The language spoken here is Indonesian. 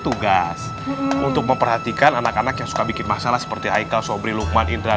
tugas untuk memperhatikan anak anak yang suka bikin masalah seperti aikal sobri lukman indra